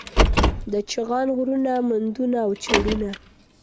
د چغان غرونه، مندونه او چړونه